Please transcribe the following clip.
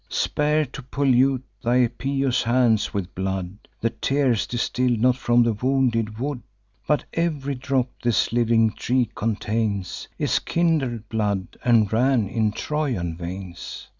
Spare to pollute thy pious hands with blood: The tears distil not from the wounded wood; But ev'ry drop this living tree contains Is kindred blood, and ran in Trojan veins.